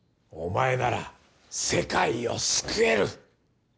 お前なら世界を救える。